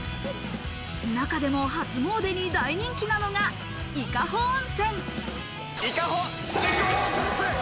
中でも初詣に大人気なのが伊香保温泉。